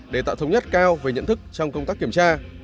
để tạo thống nhất cao về nhận thức trong công tác kiểm tra